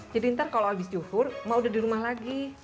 jadi ntar kalau abis juhur emak udah di rumah lagi